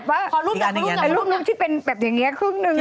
พอรูปนึงที่เป็นแบบอย่างนี้ครึ่งนึง